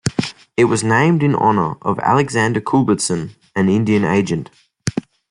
It was named in honor of Alexander Culbertson, an Indian agent.